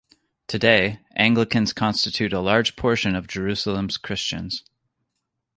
Today, Anglicans constitute a large portion of Jerusalem's Christians.